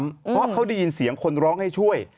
เพราะเขาได้ยินเสียงคนร้องให้ช่วย